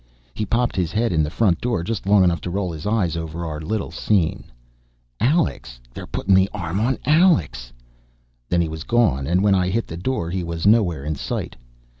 He popped his head in the front door just long enough to roll his eyes over our little scene. "Alex ... they're puttin' the arm on Alex!" Then he was gone and when I hit the door he was nowhere in sight.